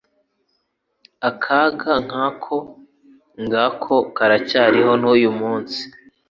Akaga nk'ako ngako karacyariho n'uyu munsi.